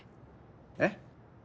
えっ？